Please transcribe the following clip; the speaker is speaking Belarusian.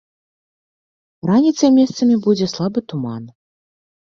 Раніцай месцамі будзе слабы туман.